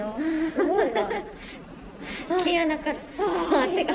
すごいわ。